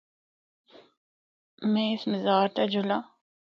میں اس مزارا تے جُلّاں۔